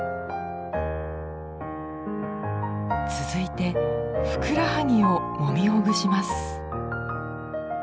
続いてふくらはぎをもみほぐします。